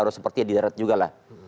harus seperti di darat juga lah